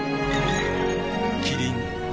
キリン「陸」